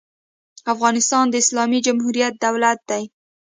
افغانستان د اسلامي جمهوري دولت دی.